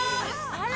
あら！